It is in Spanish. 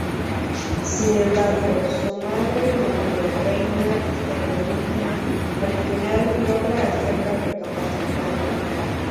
Sin embargo, su madre la Neo Reina Serenity al final logra hacerla recapacitar.